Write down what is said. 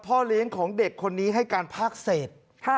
พ่อเลี้ยงของเด็กคนนี้ให้การภาคเศษ